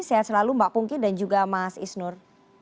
sehat selalu mbak pungki dan juga mas isnur